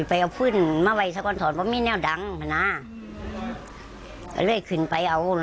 ปรากฏวิตตากับยายไม่น่ำกันซึ้บมือหรือจึงไหน